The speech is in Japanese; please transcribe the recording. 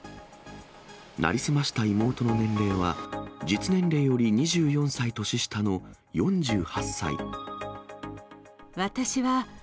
成り済ました妹の年齢は、実年齢より２４歳年下の４８歳。